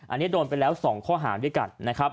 อันนี้โดนไปแล้ว๒ข้อหาด้วยกันนะครับ